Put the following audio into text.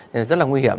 thì rất là nguy hiểm